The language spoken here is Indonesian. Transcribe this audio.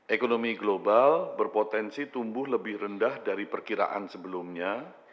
ekonomi global berpotensi tumbuh lebih rendah dari perkiraan sebelumnya